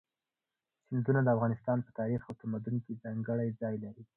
سیندونه د افغانستان په تاریخ او تمدن کې ځانګړی ځای لري.